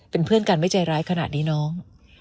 เป็นเพื่อนกันไม่ใจร้ายขนาดนี้น้อง